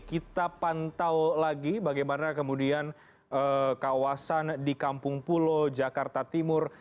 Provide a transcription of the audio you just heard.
kita pantau lagi bagaimana kemudian kawasan di kampung pulo jakarta timur